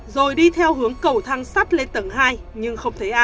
rồi đi theo hướng cầu thang sắt lên tầng hai